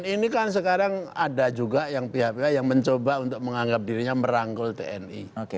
ini kan sekarang ada juga yang pihak pihak yang mencoba untuk menganggap dirinya merangkul tni